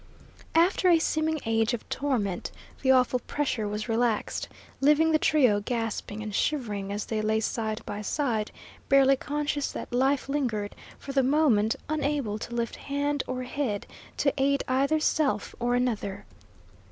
After a seeming age of torment the awful pressure was relaxed, leaving the trio gasping and shivering, as they lay side by side, barely conscious that life lingered, for the moment unable to lift hand or head to aid either self or another.